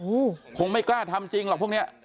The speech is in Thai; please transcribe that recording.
โอ้โหคงไม่กล้าทำจริงหรอกพวกเนี้ย